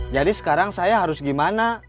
jadi sekarang saya harus gimana